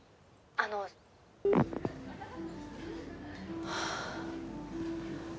「あの」はあ。